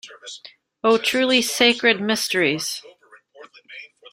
O truly sacred mysteries!